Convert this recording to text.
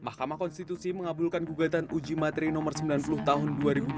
mahkamah konstitusi mengabulkan gugatan uji materi nomor sembilan puluh tahun dua ribu dua puluh tiga